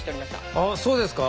ああそうですか？